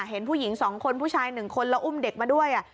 เห็นผู้หญิง๒คนผู้ชาย๑คนแล้วอุ้มเด็กมาด้วย